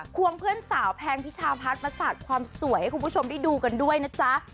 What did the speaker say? ความเพื่อนสาวแพงพิชาพัชมาสอนความสวยให้คุณชมดูกันด้วยนะจ๊ะ